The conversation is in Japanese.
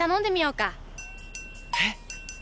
えっ？